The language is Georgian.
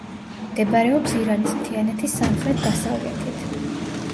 მდებარეობს ირანის მთიანეთის სამხრეთ-დასავლეთით.